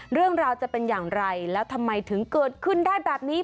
เรื่องราวจะเป็นอย่างไรแล้วทำไมถึงเกิดขึ้นได้แบบนี้